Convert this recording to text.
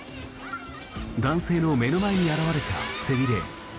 男性の目の前に現れた背びれ。